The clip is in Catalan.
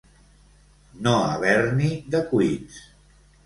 No haver-n'hi de cuits.